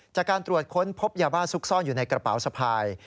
จากการตรวจค้นพบยาบ้าซุกซ่อนอยู่ในกระเป๋าสะพาย